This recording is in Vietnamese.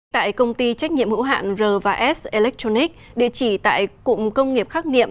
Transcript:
tại công ty trách nhiệm hữu hạn r s electronics địa chỉ tại cụm công nghiệp khắc nghiệm